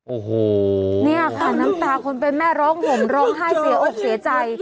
โอ้โหเนี่ยค่ะน้ำตาคนเป็นแม่ร้องห่มร้องไห้เสียอกเสียใจ